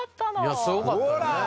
いやすごかったよね。